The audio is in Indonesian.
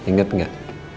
nih inget gak